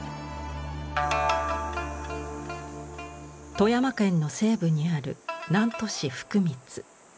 富山県の西部にある南砺市福光。